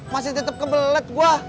masih tetep kebelet gua